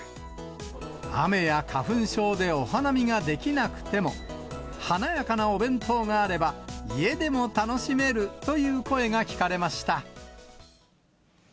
雨や花粉症でお花見ができなくても、華やかなお弁当があれば、家でも楽しめるという声が聞かれました。